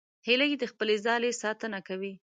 هیلۍ د خپل ځاله ساتنه کوي